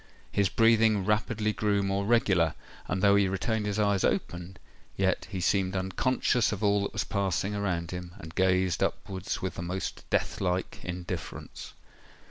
His breathing rapidly grew more regular; and though he retained his eyes open, yet he seemed unconscious of all that was passing around him, and gazed upwards with the most death like indifference.